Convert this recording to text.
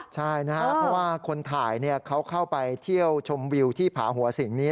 ใช่นะครับเพราะว่าคนถ่ายเขาเข้าไปเที่ยวชมวิวที่ผาหัวสิงนี้